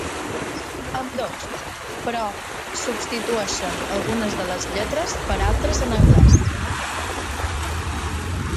Ambdós, però, substitueixen algunes de les lletres per altres en anglès.